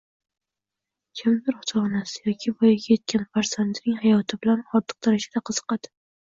Kimdir ota-onasi yoki voyaga yetgan farzandining hayoti bilan ortiq darajada qiziqadi.